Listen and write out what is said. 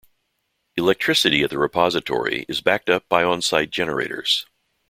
Electricity at the repository is backed up by on-site generators.